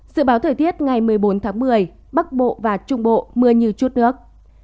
dự báo thời tiết ngày một mươi bốn tháng một mươi bắc bộ và trung bộ mưa như chút nước